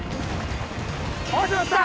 おし乗った！